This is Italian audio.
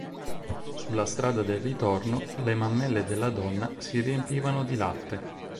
Sulla strada del ritorno, le mammelle della donna si riempivano di latte.